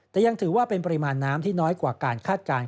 แต่ยังถือว่าเป็นปริมาณน้ำที่น้อยกว่าการคาดการณ์